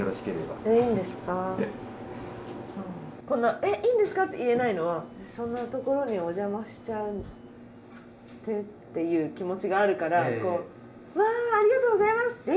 この「えっいいんですか！」って言えないのはそんな所にお邪魔しちゃってっていう気持ちがあるからこう「うわありがとうございます！